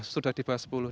sudah di bawah sepuluh